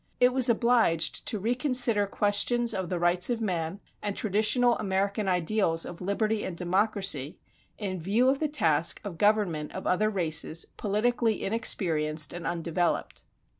It was obliged to reconsider questions of the rights of man and traditional American ideals of liberty and democracy, in view of the task of government of other races politically inexperienced and undeveloped.